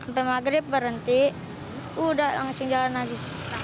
sampai maghrib berhenti udah langsung jalan lagi